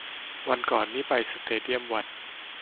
วันก่อนนี่ไปสเตเดียมวัน